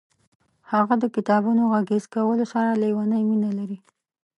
هغه د کتابونو غږیز کولو سره لیونۍ مینه لري.